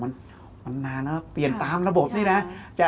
มันนานแล้วเปลี่ยนตามระบบนี่นะ